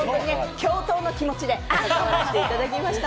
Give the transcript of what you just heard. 教頭の気持ちでかかわらせていただきました。